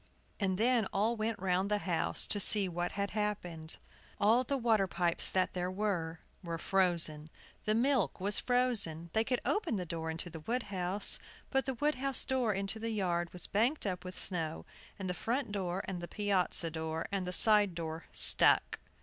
And then all went round the house to see what had happened. All the water pipes that there were were frozen. The milk was frozen. They could open the door into the wood house; but the wood house door into the yard was banked up with snow; and the front door, and the piazza door, and the side door stuck.